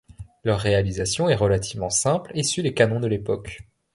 Leur réalisation est relativement simple et suit les canons de l'époque.